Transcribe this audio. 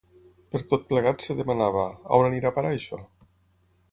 Per tot plegat, es demanava: On anirà a parar això?